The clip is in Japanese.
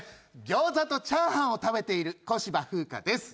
餃子とチャーハンを食べている小芝風花です。